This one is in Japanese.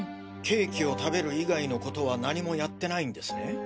ケーキを食べる以外のことは何もやってないんですね？